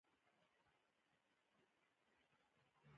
سرو زرو هېڅ ځای نه لري په دې ځای کې.